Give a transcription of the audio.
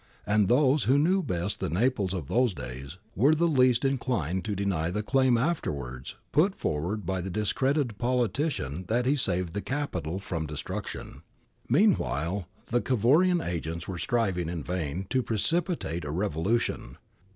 And those who knew best the Naples of those days were the least inclined to deny the claim afterwards put forward by the discredited politician that he saved the capital from destruction.' Meanwhile, the Cavourian agents were striving in vain to precipitate a revolution.'